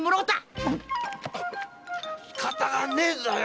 しかたがねえずらよ！